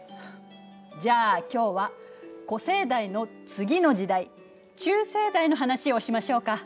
じゃあ今日は古生代の次の時代中生代の話をしましょうか。